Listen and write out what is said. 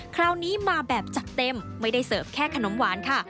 คราวนี้มาแบบจัดเต็มไม่ได้เสิร์ฟแค่ขนมหวานค่ะ